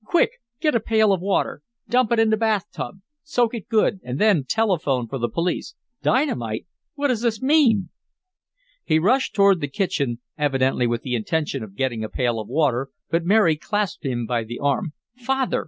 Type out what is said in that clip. "Quick! Get a pail of water! Dump it in the bathtub! Soak it good, and then telephone for the police. Dynamite! What does this mean?" He rushed toward the kitchen, evidently with the intention of getting a pail of water, but Mary clasped him by the arm. "Father!"